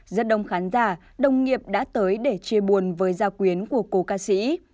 rất đông khán giả đồng nghiệp đã tới để chia buồn với gia quyến của cố ca sĩ